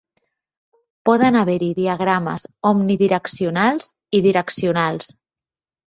Poden haver-hi diagrames omnidireccionals i direccionals.